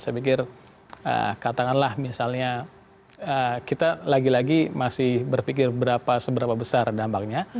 saya pikir katakanlah misalnya kita lagi lagi masih berpikir seberapa besar dampaknya